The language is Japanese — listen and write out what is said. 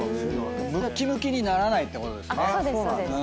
ムッキムキにならないってことですね。